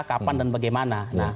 kapan dan bagaimana